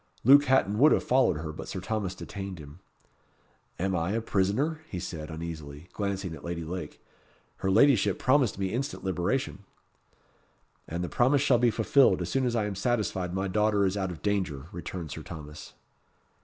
Luke Hatton would have followed her, but Sir Thomas detained him. "Am I a prisoner?" he said, uneasily, and glancing at Lady Lake. "Her ladyship promised me instant liberation." "And the promise shall be fulfilled as soon as I am satisfied my daughter is out of danger," returned Sir Thomas.